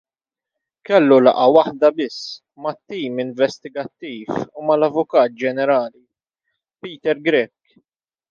Kellu laqgħa waħda biss mat-tim investigattiv u mal-Avukat Ġenerali Peter Grech.